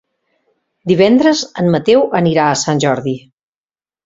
Divendres en Mateu anirà a Sant Jordi.